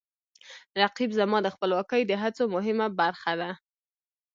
رقیب زما د خپلواکۍ د هڅو مهمه برخه ده